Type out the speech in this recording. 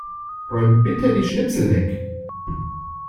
Räumt bitte die Schnipsel weg.